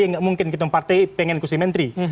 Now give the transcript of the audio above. tidak mungkin ketika partai ingin kursi menteri